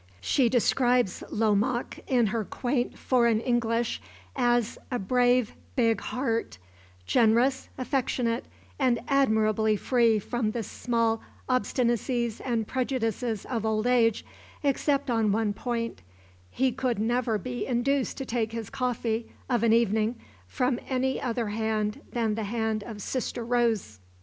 She describes Lomaque, in her quaint foreign English, as "a brave, big heart"; generous, affectionate, and admirably free from the small obstinacies and prejudices of old age, except on one point: he could never be induced to take his coffee, of an evening, from any other hand than the hand of Sister Rose.